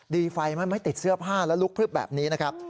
ดีไฟมันไม่ติดเสื้อผ้าแล้วลุกพลึบแบบนี้นะครับ